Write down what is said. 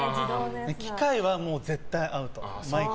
機械は絶対アウト。